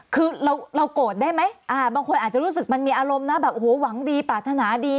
คือเราโกรธได้ไหมบางคนอาจจะรู้สึกมันมีอารมณ์นะแบบโอ้โหหวังดีปรารถนาดี